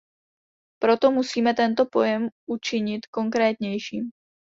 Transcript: Proto musíme tento pojem učinit konkrétnějším.